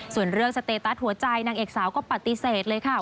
ส่วนเรื่องสเตตัสหัวใจนางเอกสาวก็ปฏิเสธเลยค่ะ